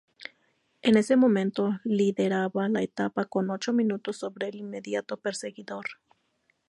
En ese momento lideraba la etapa con ocho minutos sobre el inmediato perseguidor.